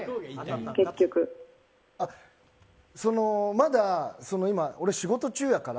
まだ俺、仕事中やから。